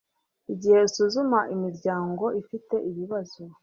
igihe usuzuma imiryango ifite ibibazo